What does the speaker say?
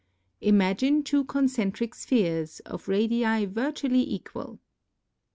Imagine two concentric spheres, of radii virtually equal.